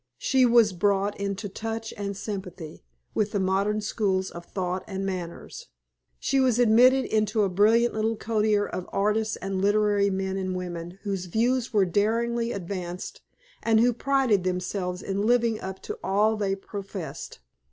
She was brought into touch and sympathy with the modern schools of thought and manners. She was admitted into a brilliant little coterie of artists and literary men and women whose views were daringly advanced, and who prided themselves in living up to all they professed.